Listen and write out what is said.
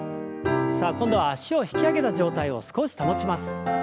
さあ今度は脚を引き上げた状態を少し保ちます。